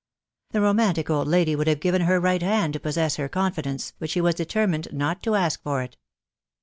The romantic old lady would hare given her right hand to possess her confidence, hut she was determined not to ask fox it.